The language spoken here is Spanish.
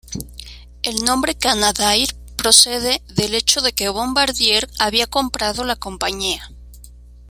El nombre "Canadair" procede del hecho de que Bombardier había comprado la compañía.